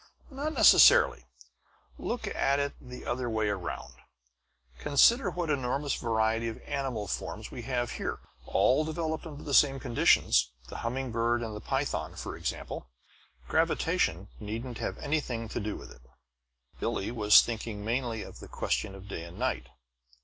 "Not necessarily. Look at it the other way around; consider what an enormous variety of animal forms we have here, all developed under the same conditions. The humming bird and the python, for instance. Gravitation needn't have anything to do with it." Billie was thinking mainly of the question of day and night.